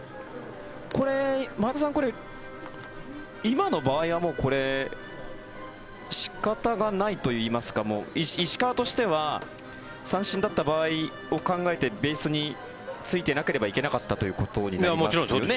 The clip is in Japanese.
これ、前田さん、今の場合はこれ、仕方がないといいますか石川としては三振だった場合を考えてベースについていなければいけなかったということになりますよね。